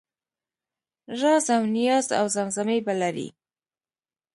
رازاونیازاوزمزمې به لرې